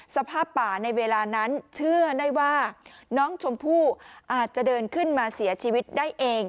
สภาพป่าในเวลานั้นเชื่อได้ว่าน้องชมพู่อาจจะเดินขึ้นมาเสียชีวิตได้เอง